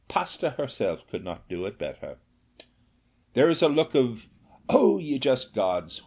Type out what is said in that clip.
Pasta herself could not do it better. There is a look of 'Oh, ye just gods!